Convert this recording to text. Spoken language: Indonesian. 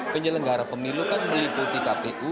penyelenggara pemilu kan meliputi kpu